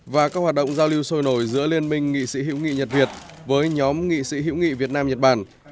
và các hoạt động giao lưu sôi nổi giữa liên minh nghị sĩ hữu nghị nhật việt với nhóm nghị sĩ hữu nghị việt nam nhật bản